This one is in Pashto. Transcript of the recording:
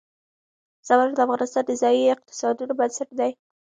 زمرد د افغانستان د ځایي اقتصادونو بنسټ دی.